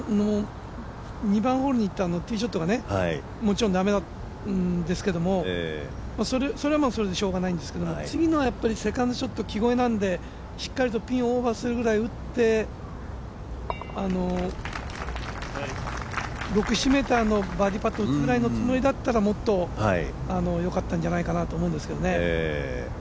２番ホールにいったあのティーショットがもちろん駄目だったんですけどそれはそれでしょうがないんですけど次のセカンドショット木越えなんでしっかりとピンをオーバーするぐらい打って６７ｍのバーディーパットのつもりだったら、もっと良かったんじゃないかと思うんですけどね。